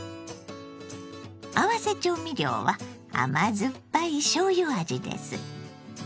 合わせ調味料は甘酸っぱいしょうゆ味です。